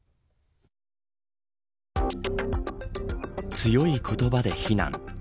強い言葉で非難。